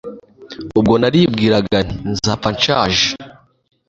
ubwo naribwiraga nti nzapfa nshaje